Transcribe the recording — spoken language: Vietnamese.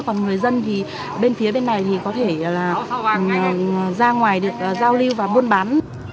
còn người dân thì bên phía bên này thì có thể ra ngoài được giao lưu và buôn bán